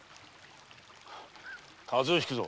風邪をひくぞ。